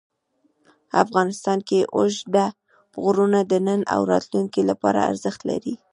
افغانستان کې اوږده غرونه د نن او راتلونکي لپاره ارزښت لري.